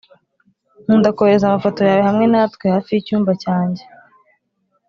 nkunda kohereza amafoto yawe hamwe natwe hafi yicyumba cyanjye